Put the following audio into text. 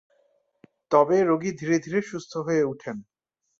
তবে রোগী ধীরে ধীরে সুস্থ হয়ে উঠেন।